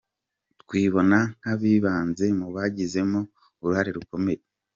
Twibona nk’abibanze mu babigizemo uruhare rukomeye.